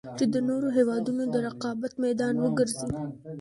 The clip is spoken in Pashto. چـې د نـورو هېـوادونـو د رقـابـت مـيدان وګـرځـي.